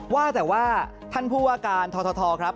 ว่าแต่ว่าท่านผู้ว่าการททครับ